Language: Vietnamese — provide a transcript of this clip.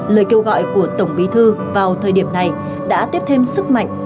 lời kêu gọi của tổng bí thư vào thời điểm này đã tiếp thêm sức mạnh